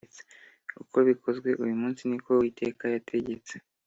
Uko bikozwe uyu munsi ni ko Uwiteka yategetse